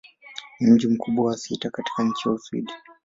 Ni mji mkubwa wa sita katika nchi wa Uswidi.